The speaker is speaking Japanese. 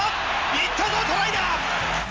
いったぞ、トライだ。